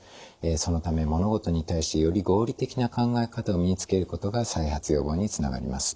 そのため物事に対してより合理的な考え方を身につけることが再発予防につながります。